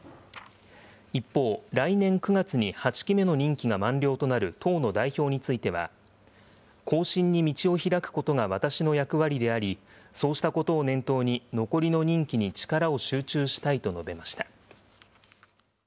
一方、来年９月に８期目の任期が満了となる党の代表については、後進に道を開くことが私の役割であり、そうしたことを念頭に、残りの任期に力を集中したいと述べました。